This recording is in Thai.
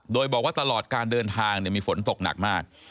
โดยบอกว่าตลอดการเดินทางมีฝนตกหนักมาก